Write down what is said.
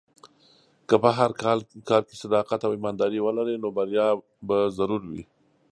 که په هر کار کې صداقت او ایمانداري ولرې، نو بریا به ضرور وي.